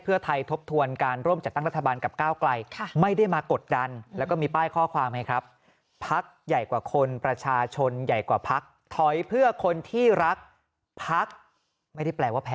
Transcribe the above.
อภิวัติสุยานางข่าวไทยรัฐทีวีรายงานจากพักเพื่อไทยครับ